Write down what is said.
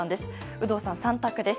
有働さん３択です。